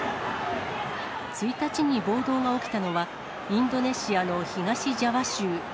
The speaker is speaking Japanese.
１日に暴動が起きたのは、インドネシアの東ジャワ州。